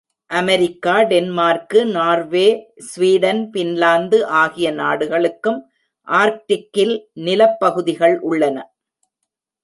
America, Denmark, Norway, Sweden, Finland ஆகிய நாடுகளுக்கும் ஆர்க்டிக்கில் நிலப் பகுதிகள் உள்ளன.